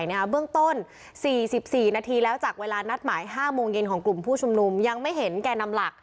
เบื้องต้น๔๔นาทีแล้วจากเวลานัดหมาย๕โมงเย็นของกลุ่มผู้ชุมนุมยังไม่เห็นแก่นำหลัก